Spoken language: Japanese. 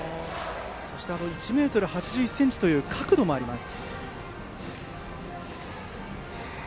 そして、１ｍ８１ｃｍの角度もあります。